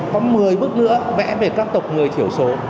có một mươi bước nữa vẽ về các tộc người thiểu số